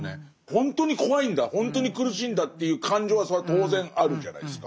ほんとに怖いんだほんとに苦しいんだという感情はそれは当然あるじゃないですか。